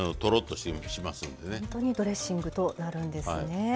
ほんとにドレッシングとなるんですね。